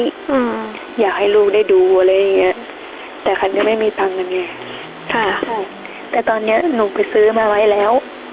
อืมอยากให้ลูกได้ดูอะไรอย่างเงี้ยแต่คันนี้ไม่มีตังค์กันไงค่ะแต่ตอนเนี้ยหนูไปซื้อมาไว้แล้ว